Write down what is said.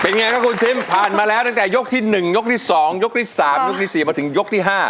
ไงครับคุณซิมผ่านมาแล้วตั้งแต่ยกที่๑ยกที่๒ยกที่๓ยกที่๔มาถึงยกที่๕